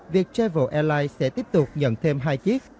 viettravel airline sẽ tiếp tục nhận thêm hai chiếc